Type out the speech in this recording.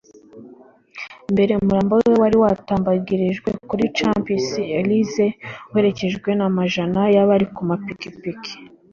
Mbere umurambo we wari watambagirije kuri Champs Elysees uherekejwe n’amajana y’abari ku mapikipiki